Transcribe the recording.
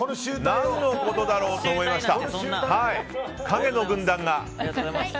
何のことだろうと思いました。